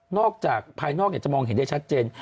จากภายนอกจะมองเห็นได้ชัดเจน